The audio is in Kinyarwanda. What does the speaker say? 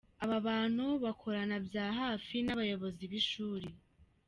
Aba bantu bakorana bya hafi n’ abayobozi b’ishuri.